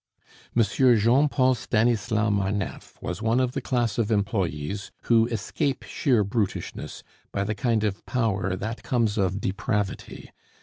Monsieur Jean Paul Stanislas Marneffe was one of the class of employes who escape sheer brutishness by the kind of power that comes of depravity.